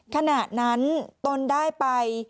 ขณะนั้นตนได้ไป